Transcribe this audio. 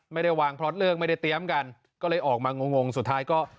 ไม่ได้วางพล็อตเลิกไม่ได้เตรียมกันก็เลยออกมางงงสุดท้ายก็